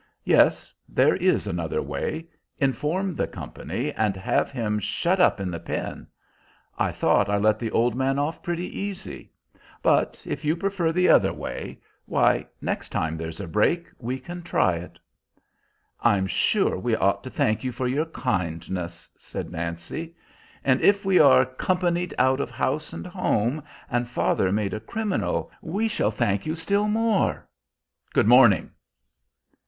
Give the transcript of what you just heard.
"Yes, there is another way; inform the company, and have him shut up in the Pen. I thought I let the old man off pretty easy. But if you prefer the other way, why, next time there's a break, we can try it." "I'm sure we ought to thank you for your kindness," said Nancy. "And if we are Companied out of house and home, and father made a criminal, we shall thank you still more. Good morning."